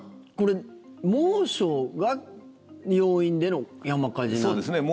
猛暑が要因での山火事なんですか？